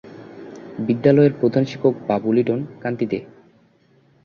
বিদ্যালয়ের প্রধান শিক্ষক বাবু লিটন কান্তি দে।